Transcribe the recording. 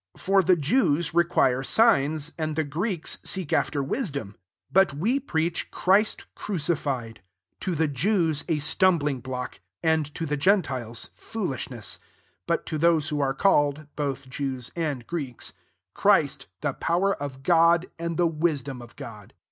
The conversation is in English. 22 For the Jews require igns, and the Greeks seek after risdom: 23 but we preach Christ crucified; to the Jews L stumbling block, and to the gentiles foolishness ; 24 but to bose who are called, both Jews, aid Greeks, Christ the power f God, and the wisdom of God.